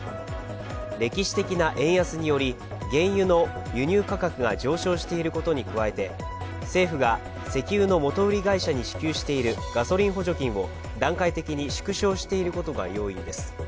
歴史的な円安により原油の輸入価格が上昇していることに加えて政府が石油の元売り会社に支給しているガソリン補助金を段階的に縮小していることが要因です。